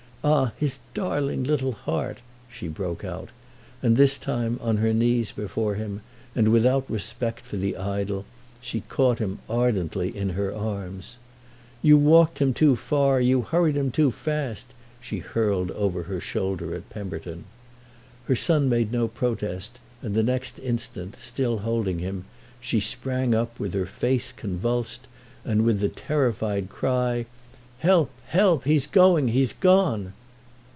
"Ah his darling little heart!" she broke out; and this time, on her knees before him and without respect for the idol, she caught him ardently in her arms. "You walked him too far, you hurried him too fast!" she hurled over her shoulder at Pemberton. Her son made no protest, and the next instant, still holding him, she sprang up with her face convulsed and with the terrified cry "Help, help! he's going, he's gone!"